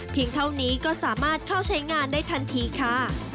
เท่านี้ก็สามารถเข้าใช้งานได้ทันทีค่ะ